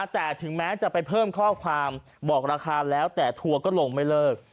แต่ถึงแม้จะไปเพิ่มข้อความบอกราคาแล้วแต่ทัวร์ก็ลงไม่เลิก